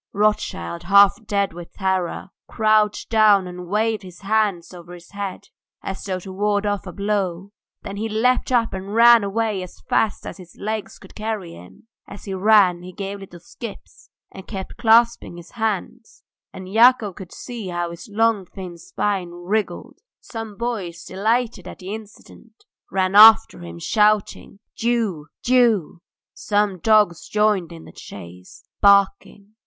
Rothschild, half dead with terror, crouched down and waved his hands over his head, as though to ward off a blow; then he leapt up and ran away as fast as his legs could carry him: as he ran he gave little skips and kept clasping his hands, and Yakov could see how his long thin spine wriggled. Some boys, delighted at the incident, ran after him shouting "Jew! Jew!" Some dogs joined in the chase barking.